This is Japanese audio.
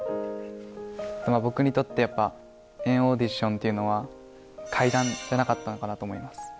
僕にとって、やっぱ、＆ＡＵＤＩＴＩＯＮっていうのは、階段じゃなかったのかなと思います。